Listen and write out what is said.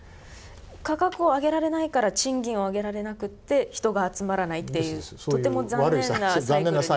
価格を上げられないから賃金を上げられなくて人が集まらないっていうとても残念なサイクルに。